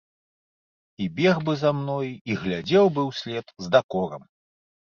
І бег бы за мной, і глядзеў бы ўслед з дакорам.